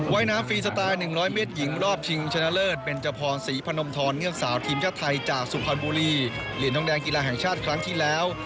ว่ายน้ำฟรีสไตล์๑๐๐เมตรหญิงรอบชิงชนะเลิศเบนจพรศรีพนมทรเงือกสาวทีมชาติไทยจากสุพรรณบุรีเหรียญทองแดงกีฬาแห่งชาติครั้งที่แล้ว